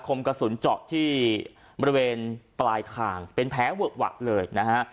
มกระสุนเจาะที่บริเวณปลายคางเป็นแผลเวอะหวะเลยนะฮะ